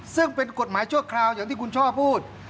ซึ่งเป็นกฎหมายชั่วคราวอย่างที่คุณช่อพูด